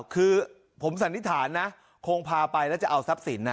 คือผมสันนิษฐานนะคงพาไปแล้วจะเอาทรัพย์สินนะ